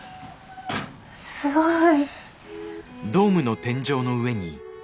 すごい。